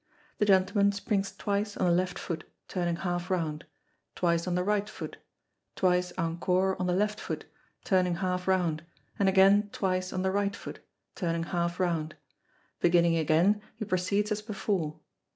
The gentleman springs twice on the left foot, turning half round; twice on the right foot; twice encore on the left foot, turning half round; and again twice on the right foot, turning half round. Beginning again, he proceeds as before.